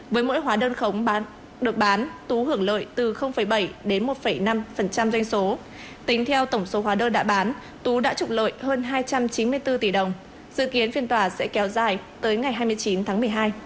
với mỗi hóa đơn khống được bán tú hưởng lợi từ bảy đến một năm doanh số tính theo tổng số hóa đơn đã bán tú đã trục lợi hơn hai trăm chín mươi bốn tỷ đồng dự kiến phiên tòa sẽ kéo dài tới ngày hai mươi chín tháng một mươi hai